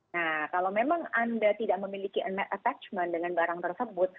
nah kalau memang anda tidak memiliki attachment dengan barang tersebut